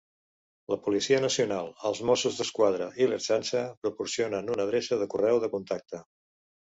La Policia Nacional, els Mossos d'Esquadra i l'Ertzaintza, proporcionen una adreça de correu de contacte.